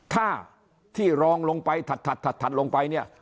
ถ้าที่รองลงไปถัดลงไปเนี่ย